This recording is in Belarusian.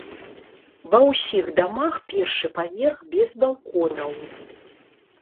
Ва ўсіх дамах першы паверх без балконаў!